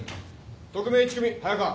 特命一組早川。